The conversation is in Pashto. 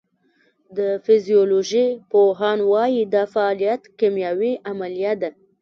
د فزیولوژۍ پوهان وایی دا فعالیت کیمیاوي عملیه ده